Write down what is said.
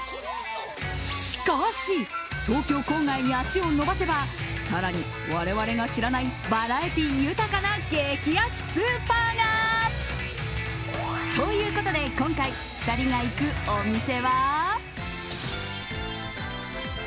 しかし、東京郊外に足を延ばせば更に我々が知らないバラエティー豊かな激安スーパーが。ということで今回２人が行くお店は。